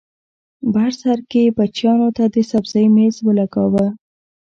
بر سر کې بچیانو ته د سبزۍ مېز ولګاوه